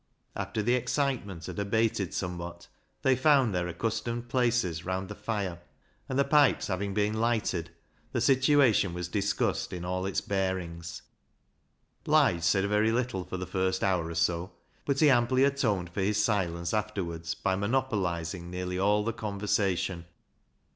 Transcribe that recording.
After the excitement had abated somewhat, they found their accustomed places round the fire, and the pipes having been lighted, the 156 BECKSIDE LIGHTS situation was discussed in all its bearings. Lige said very little for the first hour or so, but he amply atoned for his silence afterwards by monopolising nearly all the conversation.